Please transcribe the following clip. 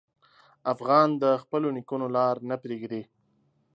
افغان د خپلو نیکونو لار نه پرېږدي.